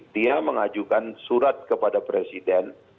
dia mengajukan surat kepada presiden